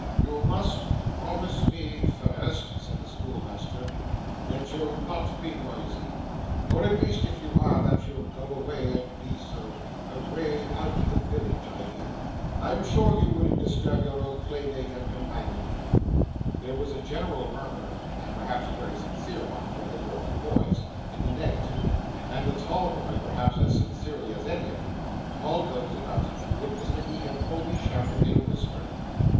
'You must promise me first,' said the schoolmaster, 'that you'll not be noisy, or at least, if you are, that you'll go away and be so away out of the village I mean. I'm sure you wouldn't disturb your old playmate and companion.' There was a general murmur (and perhaps a very sincere one, for they were but boys) in the negative; and the tall boy, perhaps as sincerely as any of them, called those about him to witness that he had only shouted in a whisper.